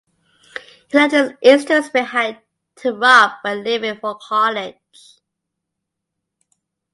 He left his instruments behind to Rob when leaving for college.